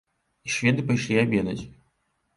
І шведы пайшлі абедаць.